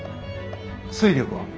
推力は？